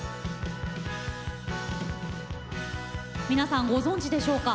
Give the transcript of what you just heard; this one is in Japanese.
皆さんご存じでしょうか。